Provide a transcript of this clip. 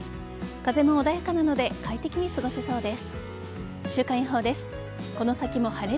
風も穏やかなので快適に過ごせそうです。